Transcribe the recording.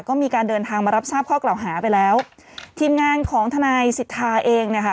ก็มีการเดินทางมารับทราบข้อกล่าวหาไปแล้วทีมงานของทนายสิทธาเองเนี่ยค่ะ